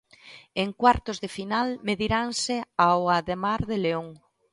En cuartos de final mediranse ao Ademar de León.